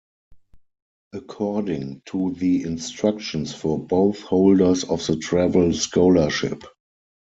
According to the instructions for both holders of the travel scholarship.